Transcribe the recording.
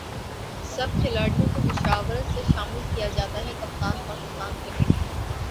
سب کھلاڑیوں کومشاورت سےشامل کیاجاتاہےکپتان پاکستان کرکٹ ٹیم